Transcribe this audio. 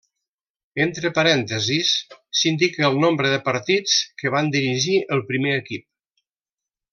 Entre parèntesis s'indica el nombre de partits que van dirigir el primer equip.